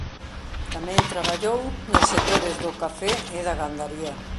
Tamén traballou nos sectores do café e da gandaría.